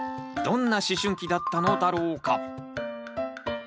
どんな思春期だったのだろうか。